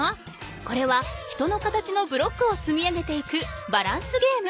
これは人の形のブロックをつみ上げていくバランスゲーム。